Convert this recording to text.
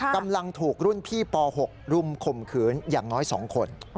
กำลังถูกรุ่นพี่ป๖รุมข่มขืนอย่างน้อย๒คน